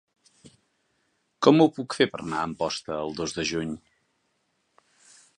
Com ho puc fer per anar a Amposta el dos de juny?